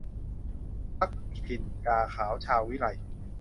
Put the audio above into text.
พรรคถิ่นกาขาวชาววิไล